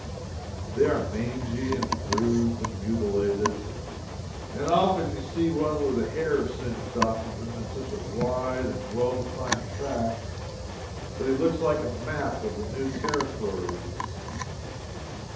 They are mangy and bruised and mutilated, and often you see one with the hair singed off him in such wide and well defined tracts that he looks like a map of the new Territories.